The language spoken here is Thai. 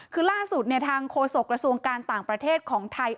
คือล่าสุดทางโฆษกระทรวงการต่างประเทศของไทย